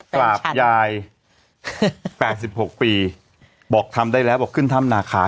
กราบยาย๘๖ปีบอกทำได้แล้วบอกขึ้นถ้ำนาคา